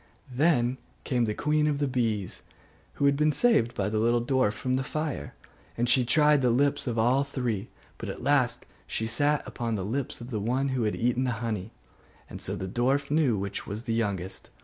Then came the queen of the bees, who had been saved by the little dwarf from the fire, and she tried the lips of all three; but at last she sat upon the lips of the one that had eaten the honey: and so the dwarf knew which was the youngest.